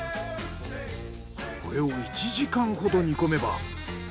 これを１時間ほど煮込めば。